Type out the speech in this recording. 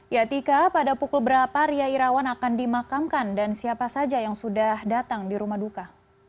ya tika pada pukul berapa ria irawan akan dimakamkan dan siapa saja yang sudah datang di rumah duka